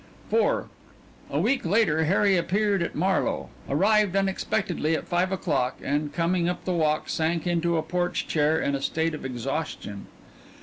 IV A week later Harry appeared at Marlowe, arrived unexpectedly at five o'clock, and coming up the walk sank into a porch chair in a state of exhaustion.